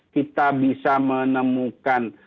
kita bisa menemukan